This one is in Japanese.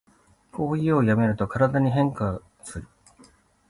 コーヒーをやめると体に起こる変化